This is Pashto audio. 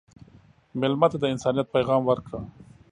مېلمه ته د انسانیت پیغام ورکړه.